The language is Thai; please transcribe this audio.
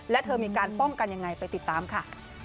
และเธอมีการป้องกันยังไงไปติดตามค่ะ